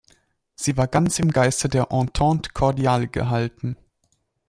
Sie war ganz im Geiste der Entente cordiale gehalten.